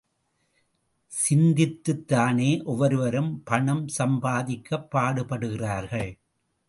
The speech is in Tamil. சிந்தித்துத் தானே ஒவ்வொருவரும் பணம் சம்பாதிக்கப் பாடுபடுகிறார்கள்.